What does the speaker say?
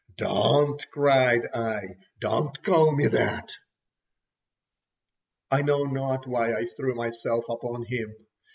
"Don't!" cried I. "Don't call me that!" I know not why I threw myself upon him.